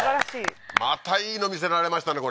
また、いいの見せられましたね